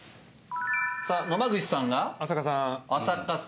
野間口さんが？浅香さん。